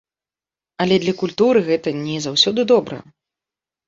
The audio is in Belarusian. Але для культуры гэта не заўсёды добра.